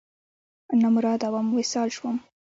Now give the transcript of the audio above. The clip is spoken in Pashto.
نامراده وم، وصال شوم